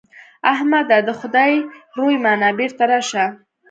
احمده! د خدای روی منه؛ بېرته راشه.